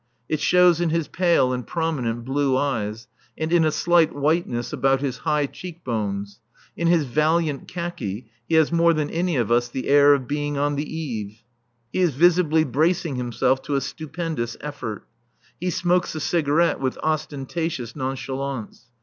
It shows in his pale and prominent blue eyes, and in a slight whiteness about his high cheek bones. In his valiant khaki he has more than any of us the air of being on the eve. He is visibly bracing himself to a stupendous effort. He smokes a cigarette with ostentatious nonchalance.